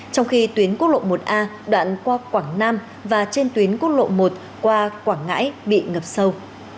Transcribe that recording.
trong khi tuyến quốc lộ một a đoạn qua quảng nam và trên tuyến quốc lộ một qua quảng ngãi bị ngập sâu